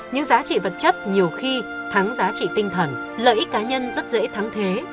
những giá trị vật chất nhiều khi thắng giá trị tinh thần lợi ích cá nhân rất dễ thắng thế